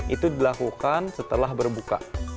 itu dilakukan setelah berbuka